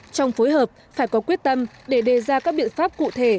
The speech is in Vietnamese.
trong phối hợp phải có quyết tâm để đề ra các biện pháp cụ thể